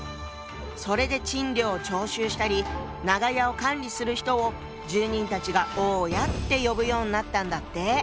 それで賃料を徴収したり長屋を管理する人を住人たちが「大家」って呼ぶようになったんだって。